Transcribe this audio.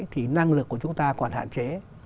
thì năng lực của chúng ta còn hạn chế